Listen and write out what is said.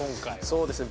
そうですね。